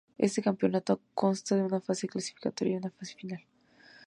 Este campeonato consta de una fase clasificatoria y una fase final.